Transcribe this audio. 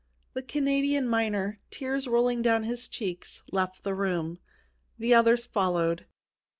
The Canadian miner, tears rolling down his cheeks, left the room. The others followed.